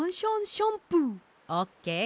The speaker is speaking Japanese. オッケー。